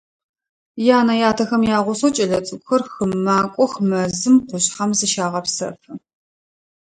Янэ-ятэхэм ягъусэу кӏэлэцӏыкӏухэр хым макӏох, мэзым, къушъхьэм зыщагъэпсэфы.